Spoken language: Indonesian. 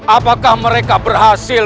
apakah mereka berhasil